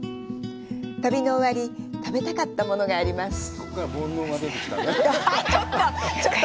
旅の終わり、食べたかったものがあります。